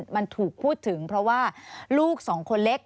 มันถูกพูดถึงเพราะว่าลูกสองคนเล็ก